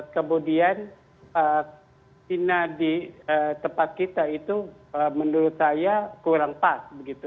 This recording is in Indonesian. kemudian cina di tempat kita itu menurut saya kurang pas